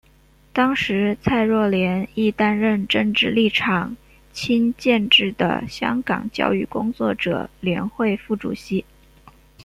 当时蔡若莲亦担任政治立场亲建制的香港教育工作者联会副主席。